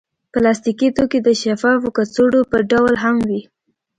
پلاستيکي توکي د شفافو کڅوړو په ډول هم وي.